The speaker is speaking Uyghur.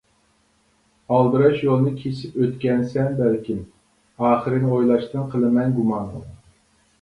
ئالدىراش يولنى كېسىپ ئۆتكەنسەن بەلكىم, ئاخىرىنى ئويلاشتىن قىلىمەن گۇمان.